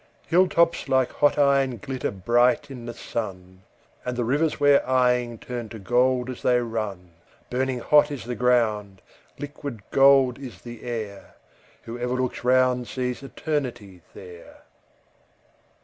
Hill tops like hot iron glitter bright in the sun, And the rivers we're eying burn to gold as they run; Burning hot is the ground, liquid gold is the air; Whoever looks round sees Eternity there.